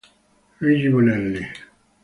Luigi Bonelli